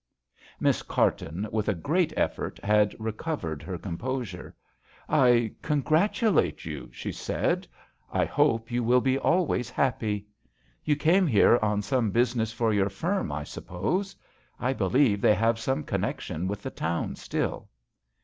Miss Carton, with a great effort, had recovered her com posure. "I congratulate you, sne said. "I hope you will bd always happy. You came her on some business for your firm, J suppose? I believe they hav^ some connection with the towij still."